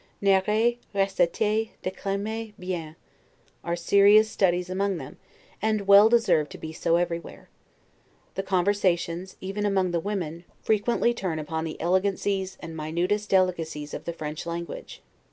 'Narrer, reciter, declamer bien', are serious studies among them, and well deserve to be so everywhere. The conversations, even among the women, frequently turn upon the elegancies and minutest delicacies of the French language.